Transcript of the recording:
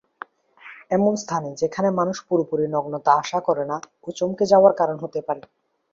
এমন স্থানে যেখানে মানুষ পুরোপুরি নগ্নতা আশা করে না ও চমকে যাওয়ার কারণ হতে পারে।